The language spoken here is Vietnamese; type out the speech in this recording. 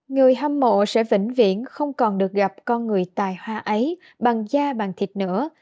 người hâm mộ sẽ vĩnh viễn không còn được gặp con người tài hoa ấy bằng da bàn thịt nữa